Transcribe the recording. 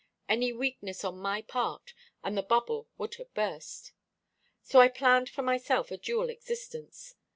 Any weakness on my part and the bubble would have burst. So I planned for myself a dual existence.